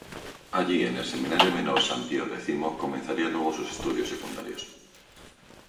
Allí, en el Seminario Menor San Pío X comenzaría luego sus estudios secundarios.